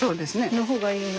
の方がいいよね？